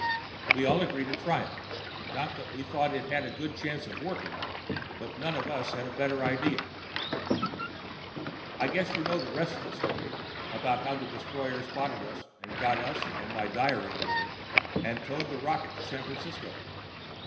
We all agreed to try it. Not that we thought it had a good chance of working, but none of us had a better idea. I guess you know the rest of the story, about how that destroyer spotted us and got us and my diary aboard, and towed the rocket to San Francisco.